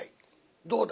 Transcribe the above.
どうだ？